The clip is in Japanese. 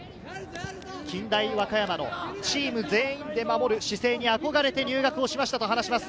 近大和歌山のチーム全員で守る姿勢に憧れて入学しましたと話します。